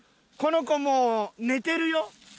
この娘もう寝てるよ。